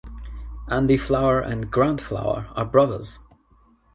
Andy Flower and Grant Flower are brothers.